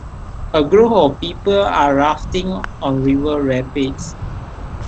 A group of people are rafting on river rapids.